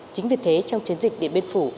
chính vì thế trong chiến dịch điển biên phủ